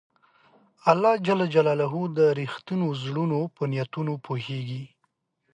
الله د رښتینو زړونو نیتونه پوهېږي.